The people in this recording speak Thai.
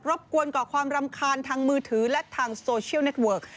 บกวนก่อความรำคาญทางมือถือและทางโซเชียลเน็ตเวิร์ก